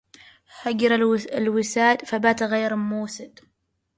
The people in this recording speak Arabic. هجر الوساد فبات غير موسد